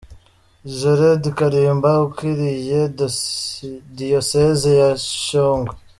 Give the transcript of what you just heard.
Jered Kalimba ukuriye Diyoseze ya Shyogwe.